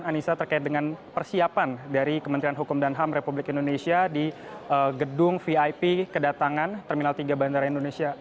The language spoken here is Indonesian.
anissa terkait dengan persiapan dari kementerian hukum dan ham republik indonesia di gedung vip kedatangan terminal tiga bandara indonesia